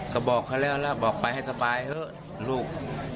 ก็บอกเขาแล้วแล้วบอกไปให้สบายเถอะลูก